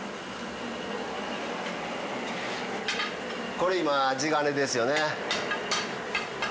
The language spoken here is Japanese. これ今地金ですよね。